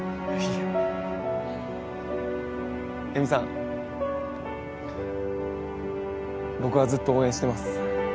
僕はずっと応援してます。